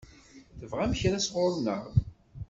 Tebɣam kra sɣur-neɣ?